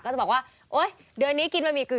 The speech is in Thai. จะบอกว่าโอ๊ยเดือนนี้กินบะหมี่กึ่ง